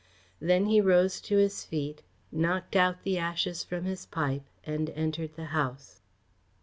Then he rose to his feet, knocked out the ashes from his pipe, and entered the house.